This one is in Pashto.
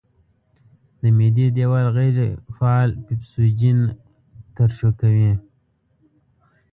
د معدې دېوال غیر فعال پیپسوجین ترشح کوي.